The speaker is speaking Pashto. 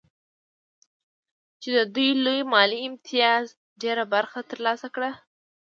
چې د دې لوی مالي امتياز ډېره برخه ترلاسه کړو